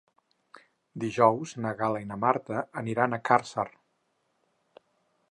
Dijous na Gal·la i na Marta aniran a Càrcer.